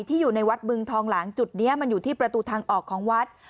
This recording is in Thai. อยู่ในวัดบึงทองหลางจุดนี้มันอยู่ที่ประตูทางออกของวัด